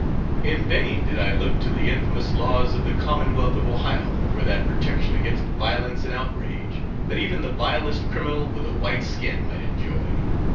In vain did I look to the infamous laws of the Commonwealth of Ohio, for that protection against violence and outrage, that even the vilest criminal with a white skin might enjoy.